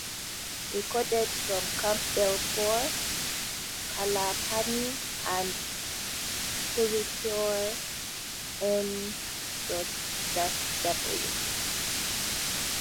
Recorded from Campbellpore, Kala Pani and Hurripur, N.-W.